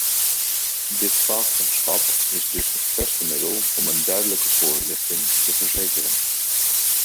Dit partnerschap is dus het beste middel om een duidelijke voorlichting te verzekeren.